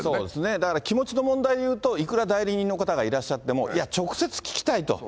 だから気持ちの問題を言うと、いくら代理人の方がいらっしゃっても、いや、直接聞きたいと。